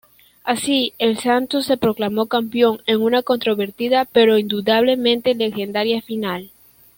Así, el Santos se proclamó campeón en una controvertida pero indudablemente legendaria final.